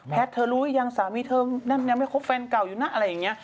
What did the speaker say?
แพทย์เธอรู้ยังสามีเธอยังไม่ครบแฟนเก่าอยู่นะอะไรอย่างนี้